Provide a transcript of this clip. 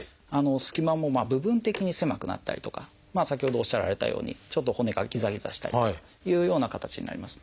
隙間も部分的に狭くなったりとか先ほどおっしゃられたようにちょっと骨がギザギザしたりというような形になります。